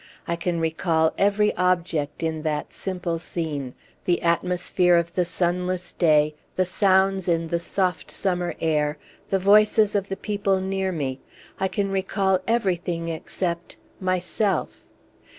I can recall every object in that simple scene the atmosphere of the sunless day, the sounds in the soft summer air, the voices of the people near me; I can recall everything except myself.